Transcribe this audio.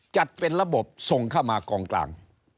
จัดเป็นระบบส่งเข้ามากองกลาง